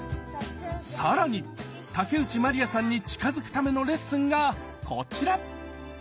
更に竹内まりやさんに近づくためのレッスンがこちら！